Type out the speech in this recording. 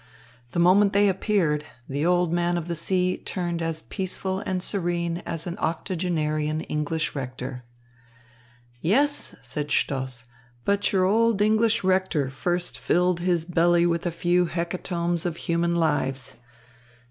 The moment they appeared, the old man of the sea turned as peaceful and serene as an octogenarian English rector. "Yes," said Stoss, "but your old English rector first filled his belly with a few hecatombs of human lives.